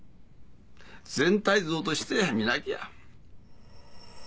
全体像として見なきゃ。